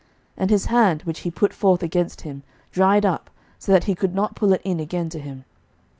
And his hand, which he put forth against him, dried up, so that he could not pull it in again to him.